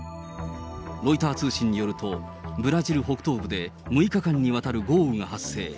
ロイター通信によると、ブラジル北東部で６日間にわたる豪雨が発生。